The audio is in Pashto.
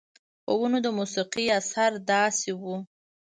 پۀ ونو د موسيقۍ اثر داسې وو